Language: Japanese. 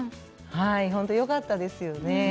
本当によかったですよね。